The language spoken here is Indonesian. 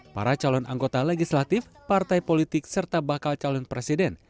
para calon anggota legislatif partai politik serta bakal calon presiden